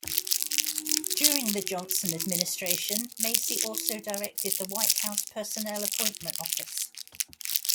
During the Johnson Administration, Macy also directed the White House Personnel Appointment Office.